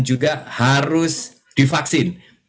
juga harus divaksin